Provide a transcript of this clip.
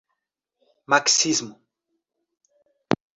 marxismo